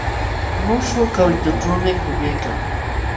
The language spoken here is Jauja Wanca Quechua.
Muśhuq kawitućhuumi puñuykan.